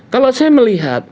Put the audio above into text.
kalau saya melihat